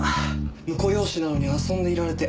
婿養子なのに遊んでいられて。